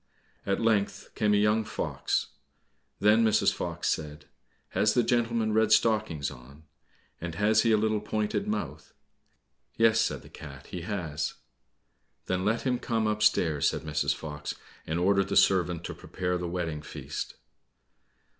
At length came a young fox. Then Mrs. Fox said, "Has the gentleman red stockings on, and has he a little pointed mouth?" "Yes," said the cat, "he has." "Then let him come upstairs," said Mrs. Fox, and ordered the servant to prepare the wedding feast.